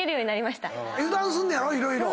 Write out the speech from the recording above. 油断すんねやろ？